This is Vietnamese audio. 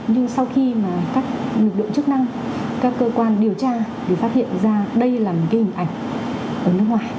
nhưng sau khi mà các lực lượng chức năng các cơ quan điều tra thì phát hiện ra đây là một cái hình ảnh ở nước ngoài